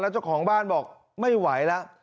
เจ้าของบ้านบอกไม่ไหวแล้ว